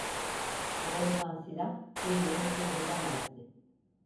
Doğrulan silah geriye çevirilemezdi.